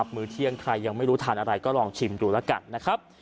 มื้อเที่ยงใครยังไม่รู้ทานอะไรก็ลองชิมดูแล้วกันนะครับ